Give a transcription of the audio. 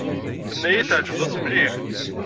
Tenna-iyi-d tɛejbeḍ-as mliḥ.